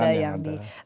terowongan yang ada